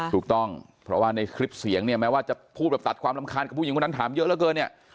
ถูกต้องเพราะว่าในคลิปเสียงเนี่ยแม้ว่าจะพูดแบบตัดความรำคาญกับผู้หญิงคนนั้นถามเยอะเหลือเกินเนี่ย